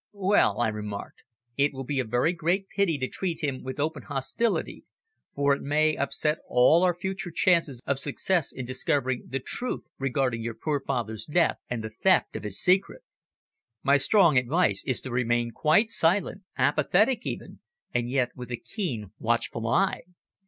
"Well," I remarked, "it will be a very great pity to treat him with open hostility, for it may upset all our future chances of success in discovering the truth regarding your poor father's death, and the theft of his secret. My strong advice is to remain quite silent, apathetic even, and yet with a keen, watchful eye.